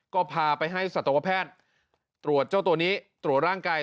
ก็พาไปให้สัตวแพทย์ตรวจเจ้าตัวนี้ตรวจร่างกาย